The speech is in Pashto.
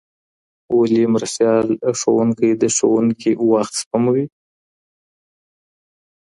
ولي مرستيال ښوونکی د ښوونکي وخت سپموي؟